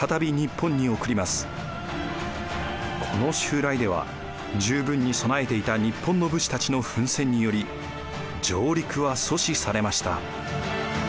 この襲来では十分に備えていた日本の武士たちの奮戦により上陸は阻止されました。